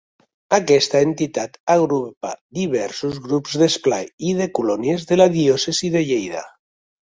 Aquesta entitat agrupa diversos grups d'esplai i de colònies de la diòcesi de Lleida.